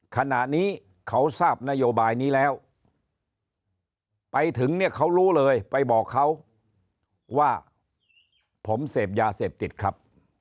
ขณะนี้เขาทราบนโยบายนี้แล้วไปถึงเนี่ยเขารู้เลยไปบอกเขาว่าผมเสพยาเสพติดครับ